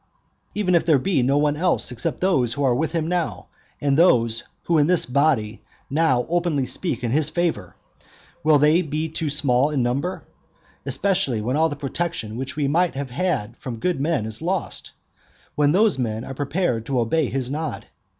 Even if there be no one else except those who are with him now, and these who in this body now openly speak in his favour, will they be too small in number? especially when all the protection which we might have had from good men is lost, and when those men are prepared to obey his nod?